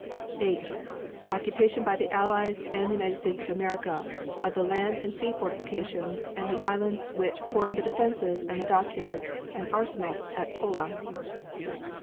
8. Occupation by the Allies and the United States of America of the land and sea fortifications and the islands which form the defenses and of the dockyards and arsenal at Pola.